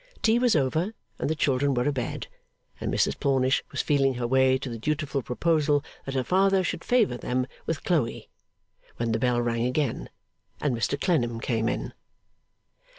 Tea was over, and the children were abed, and Mrs Plornish was feeling her way to the dutiful proposal that her father should favour them with Chloe, when the bell rang again, and Mr Clennam came in.